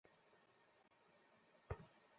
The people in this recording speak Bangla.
পায়ের পাতা এভাবে ঘামবে।